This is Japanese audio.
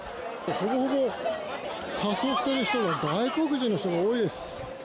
ほぼほぼ、仮装している人は外国人の人が多いです。